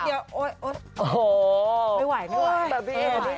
พี่ฉันฟับเดี๋ยวโอยโอ้โฮไม่ไหวไม่ไหว